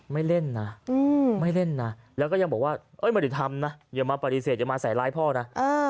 ไม่เล่นนะไม่เล่นนะแล้วก็ยังบอกว่าไม่ได้ทำนะอย่ามาปฏิเสธอย่ามาใส่ร้ายพ่อนะ